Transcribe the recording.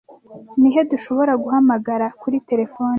Ni he dushobora guhamagara kuri terefone?